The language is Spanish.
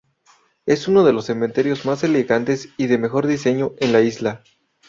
Es uno de los cementerios más elegantes y de mejor diseño en la isla.